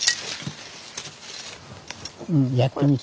うんやってみて。